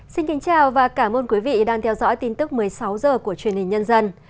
xin kính chào và cảm ơn quý vị đang theo dõi tin tức một mươi sáu h của truyền hình nhân dân